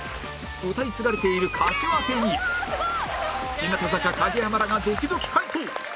歌い継がれている歌手当てに日向坂影山らがドキドキ解答！